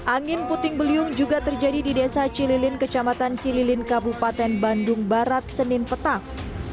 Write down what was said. angin puting beliung juga terjadi di desa cililin kecamatan cililin kabupaten bandung barat senin petang